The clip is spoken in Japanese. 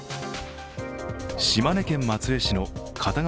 島根県松江市の片側